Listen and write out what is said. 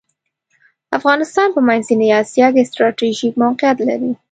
افغانستان په منځنۍ اسیا کې ستراتیژیک موقیعت لری .